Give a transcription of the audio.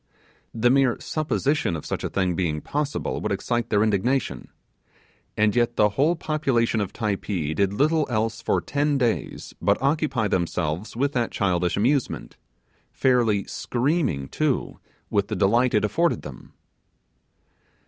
The mere supposition of such a thing being possible would excite their indignation, and yet the whole population of Typee did little else for ten days but occupy themselves with that childish amusement, fairly screaming, too, with the delight it afforded them.